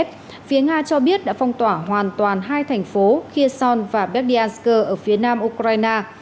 phía nga cho biết đã phong tỏa hoàn toàn hai thành phố kherson và berdyansk ở phía nam ukraine